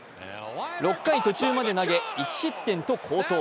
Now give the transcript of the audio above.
６回途中まで投げ１失点と好投。